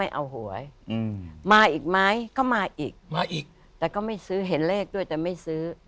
เอาหวยอืมมาอีกไหมก็มาอีกมาอีกแต่ก็ไม่ซื้อเห็นเลขด้วยแต่ไม่ซื้อ